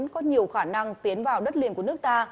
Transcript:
có nhiều khả năng tiến vào đất liền của nước ta